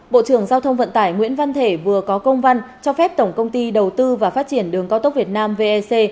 bộ trưởng giao thông vận tải nguyễn văn thể vừa có công văn cho phép tổng công ty đầu tư và phát triển đường cao tốc việt nam vec